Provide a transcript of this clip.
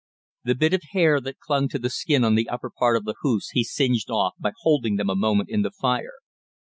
The bit of hair that clung to the skin on the upper part of the hoofs he singed off by holding them a moment in the fire.